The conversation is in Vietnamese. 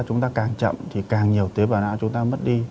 chúng ta càng chậm thì càng nhiều tế bào nã chúng ta mất đi